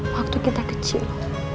waktu kita kecil